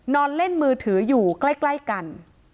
นอนเล่นมือถืออยู่ใกล้กัน